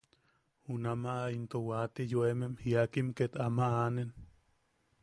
Junamaʼa into wate yoemem jiakim ket ama anen.